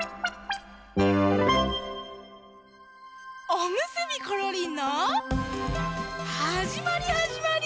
「おむすびころりん」のはじまりはじまり。